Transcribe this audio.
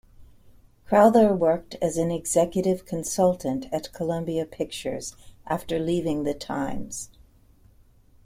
Crowther worked as an executive consultant at Columbia Pictures after leaving the "Times".